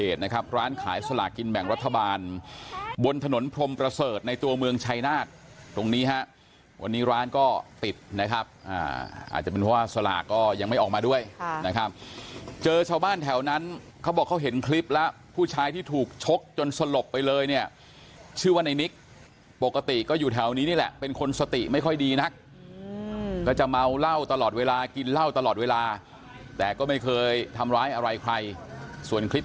เกิดเหตุนะครับร้านขายสลากินแบ่งรัฐบาลบนถนนพรมประเสริฐในตัวเมืองชัยนาศตรงนี้วันนี้ร้านก็ปิดนะครับอาจจะเป็นว่าสลาก็ยังไม่ออกมาด้วยนะครับเจอชาวบ้านแถวนั้นเขาบอกเขาเห็นคลิปแล้วผู้ชายที่ถูกชกจนสลบไปเลยเนี่ยชื่อว่าในนิกปกติก็อยู่แถวนี้นี่แหละเป็นคนสติไม่ค่อยดีนะก็จะเมาเหล้าตลอ